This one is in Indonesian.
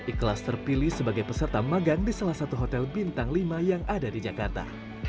ikhlas terpilih sebagai peserta magang di salah satu hotel bintang lima yang ada di jakarta